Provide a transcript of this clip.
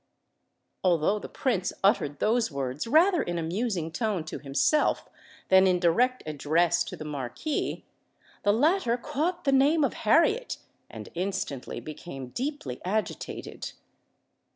Although the Prince uttered those words rather in a musing tone to himself than in direct address to the Marquis, the latter caught the name of Harriet, and instantly became deeply agitated.